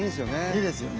いいですよね。